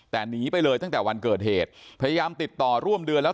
แต่หนีไปเลยตั้งแต่วันเกิดเหตุพยายามติดต่อร่วมเดือนแล้ว